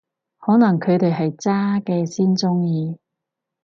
可能佢哋係渣嘅先鍾意